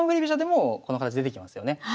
飛車でもこの形出てきますよね。